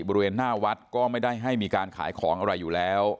บริเวณหน้าวัดก็ไม่ได้ให้มีการขายของอะไรอยู่แล้ว